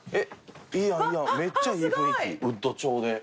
いやいやめっちゃいい雰囲気ウッド調で。